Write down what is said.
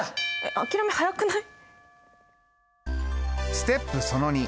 諦め早くない？